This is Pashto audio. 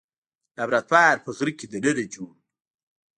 لابراتوار په غره کې دننه جوړ و.